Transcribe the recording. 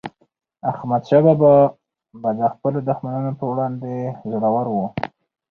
احمدشاه بابا به د خپلو دښمنانو پر وړاندي زړور و.